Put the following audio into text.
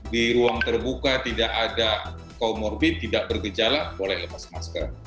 di ruang terbuka tidak ada comorbid tidak bergejala boleh lepas masker